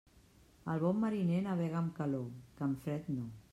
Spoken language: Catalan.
El bon mariner navega amb calor, que amb fred no.